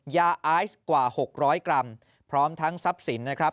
ยาไอซ์กว่า๖๐๐กรัมพร้อมทั้งทรัพย์สินนะครับ